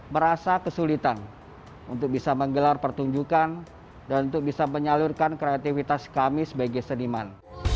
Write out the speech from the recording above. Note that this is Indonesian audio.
merasa kesulitan untuk bisa menggelar pertunjukan dan untuk bisa menyalurkan kreativitas kami sebagai seniman